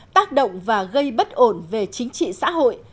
tác động và gây bất ổn về chính trị xã hội